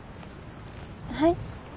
はい？